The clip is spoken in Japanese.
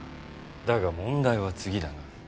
だが問題は次だな。